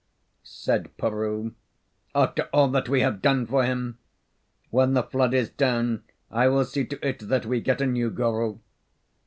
said Peroo. "After all that we have done for him! When the flood is down I will see to it that we get a new guru.